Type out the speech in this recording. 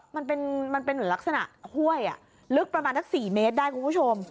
มันเป็นเหมือนลักษณะห้วยลึกประมาณสัก๔เมตรได้คุณผู้ชม